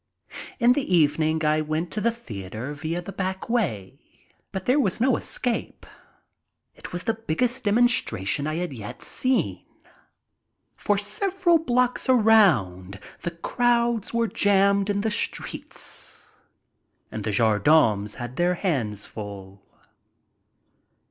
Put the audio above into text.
In the evening I went to the theater via the back way, but there was no escape. It was the biggest demonstration I had yet seen. For several blocks around the crowds were jammed in the streets and the gendarmes had their hands full.